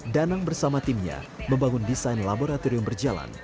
danang bersama timnya membangun desain laboratorium berjalan